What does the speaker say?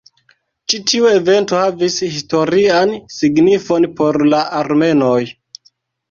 Ĉi tiu evento havis historian signifon por la armenoj.